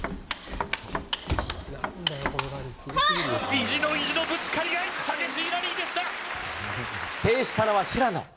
意地と意地のぶつかり合い、制したのは平野。